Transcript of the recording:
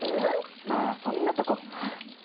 まあそんなとこ。